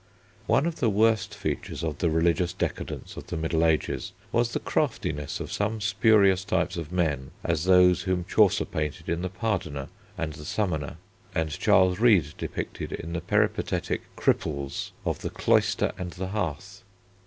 One of the worst features of the religious decadence of the Middle Ages was the craftiness of such spurious types of men as those whom Chaucer painted in the Pardoner and the Somonour, and Charles Reade depicted in the peripatetic "cripples" of "The Cloister and the Hearth."